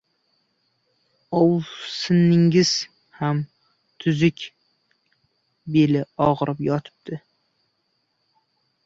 — Ovsiningiz ham tuzuk. Beli og’rib yotibdi.